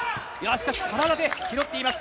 しかし体で拾っています。